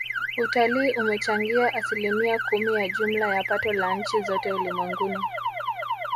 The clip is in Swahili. Utalii umechangia asilimia kumi ya jumla ya pato la nchi zote ulimwenguni